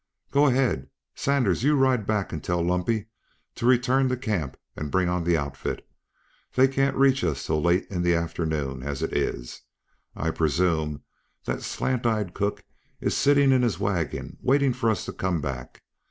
"Go ahead. Sanders, you ride back and tell Lumpy to return to camp and bring on the outfit. They can't reach us until late in the afternoon, as it is. I presume that slant eyed cook is sitting in his wagon waiting for us to come back.